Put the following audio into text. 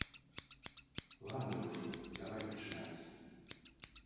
Ладна ўжо, давай пачынаць.